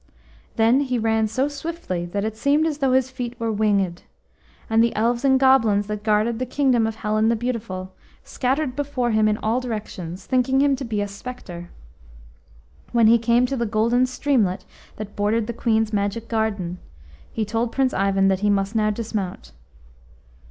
Then he ran so swiftly that it seemed as though his feet were winged, and the elves and goblins that guarded the kingdom of Helen the Beautiful scattered before him in all directions, thinking him to be a spectre. When he came to the golden streamlet that bordered the Queen's magic garden, he told Prince Ivan that he must now dismount.